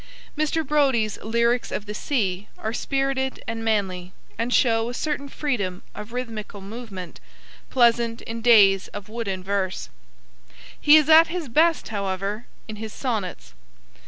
Mr. Brodie's Lyrics of the Sea are spirited and manly, and show a certain freedom of rhythmical movement, pleasant in days of wooden verse. He is at his best, however, in his sonnets.